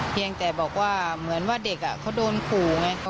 เพียงแต่บอกว่าเหมือนว่าเด็กเขาโดนขู่ไง